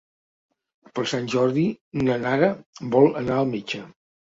Per Sant Jordi na Nara vol anar al metge.